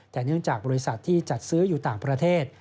แต่เนื่องจากบริษัทที่จัดซื้ออยู่ต่างประเทศ